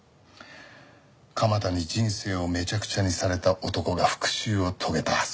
鎌田に人生をめちゃくちゃにされた男が復讐を遂げた。